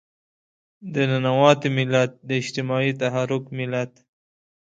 د ننواتې ملت، د اجتماعي تحرک ملت.